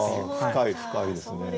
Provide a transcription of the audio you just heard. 深い深いですね。